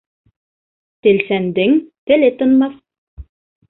Телсәндең теле тынмаҫ.